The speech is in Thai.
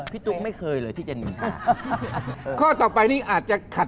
พี่ตุ๊กไม่เคยเลยที่จะนินทา